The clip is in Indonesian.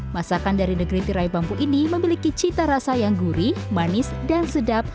masakan dari negeri tirai bambu ini memiliki cita rasa yang gurih manis dan sedap